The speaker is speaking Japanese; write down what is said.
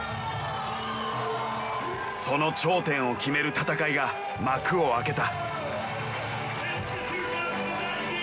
その頂点を決める戦いが幕を開けた。